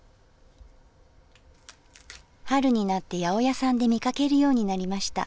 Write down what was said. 春になって八百屋さんで見かけるようになりました。